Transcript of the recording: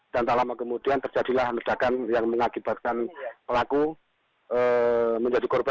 dan tak lama kemudian terjadilah merdakan yang mengakibatkan pelaku menjadi korban